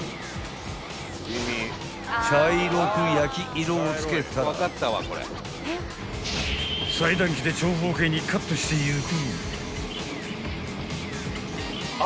［茶色く焼き色を付けたら裁断機で長方形にカットしていく］